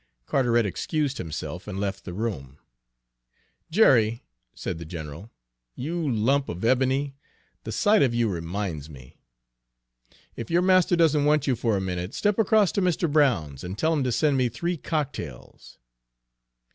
Carteret excused himself and left the room. "Jerry," said the general, "you lump of ebony, the sight of you reminds me! If your master doesn't want you for a minute, step across to Mr. Brown's and tell him to send me three cocktails."